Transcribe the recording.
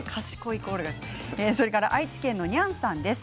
愛知県の方からです。